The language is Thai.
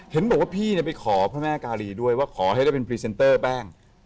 เห็นบอกว่าพี่ไปขอพระแม่กาลีด้วยว่าขอให้เราเป็นพรีเซนเตอร์บ้าง